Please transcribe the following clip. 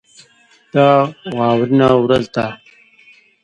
دا واورینه ورځ ده.